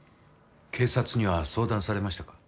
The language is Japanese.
警察には相談されましたか？